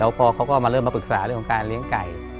พอเขาก็มาเริ่มมาปรึกษาเรื่องของการเลี้ยงไก่